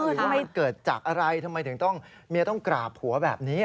หรือว่ามันเกิดจากอะไรทำไมถึงต้องเมียต้องกราบผัวแบบนี้